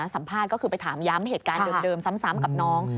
สัมภาษณ์ก็คือไปถามย้ำเหตุการณ์เดิมซ้ำกับน้อง